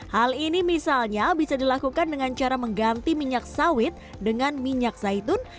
hal ini misalnya bisa dilakukan dengan cara mengganti minyak sawit dengan minyak zaitun